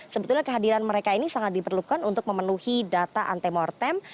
sebetulnya kehadiran mereka ini sangat diperlukan untuk memenuhi data antemortem